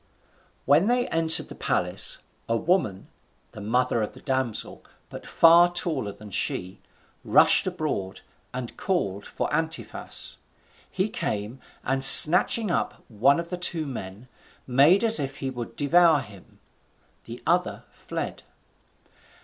When they entered the palace, a woman, the mother of the damsel, but far taller than she, rushed abroad and called for Antiphas. He came, and snatching up one of the two men, made as if he would devour him. The other fled.